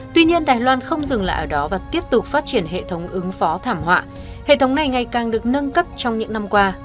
tuy nhiên đài loan không dừng lại ở đó và tiếp tục phát triển hệ thống ứng phó thảm họa hệ thống này ngày càng được nâng cấp trong những năm qua